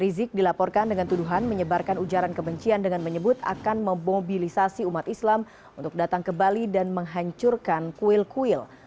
rizik dilaporkan dengan tuduhan menyebarkan ujaran kebencian dengan menyebut akan memobilisasi umat islam untuk datang ke bali dan menghancurkan kuil kuil